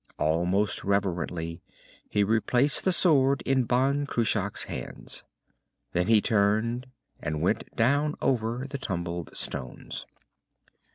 Almost reverently, he replaced the sword in Ban Cruach's hands. Then he turned and went down over the tumbled stones.